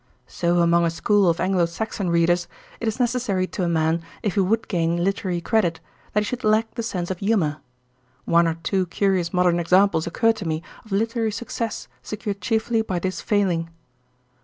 So among a school of Anglo Saxon readers, it is necessary to a man, if he would gain literary credit, that he should lack the sense of humour. One or two curious modern examples occur to me of literary success secured chiefly by this failing.